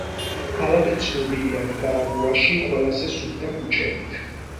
ქალაქი ცნობილია ნიკარაგუაში ყველაზე სუფთა ქუჩებით.